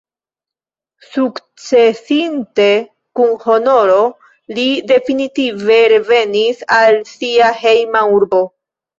Sukcesinte kun honoro, li definitive revenis al sia hejma urbo.